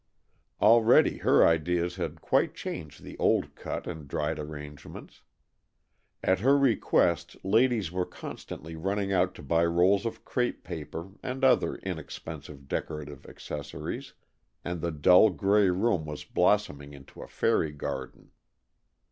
Already her ideas had quite changed the old cut and dried arrangements. At her request ladies were constantly running out to buy rolls of crêpe paper and other inexpensive decorative accessories, and the dull gray room was blossoming into a fairy garden.